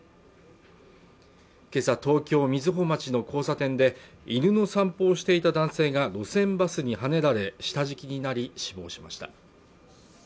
今朝東京瑞穂町の交差点で犬の散歩をしていた男性が路線バスにはねられ下敷きになり死亡しました